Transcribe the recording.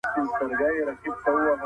تاسو په خپلو پوښتنو کې دقت وکړئ.